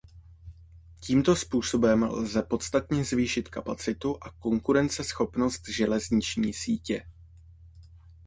Tímto způsobem lze podstatně zvýšit kapacitu a konkurenceschopnost železniční sítě.